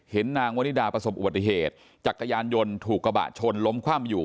นางวนิดาประสบอุบัติเหตุจักรยานยนต์ถูกกระบะชนล้มคว่ำอยู่